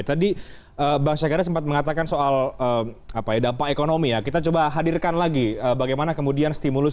tadi bang syakarya sempat mengatakan soal dampak ekonomi ya kita coba hadirkan lagi bagaimana kemudian stimulus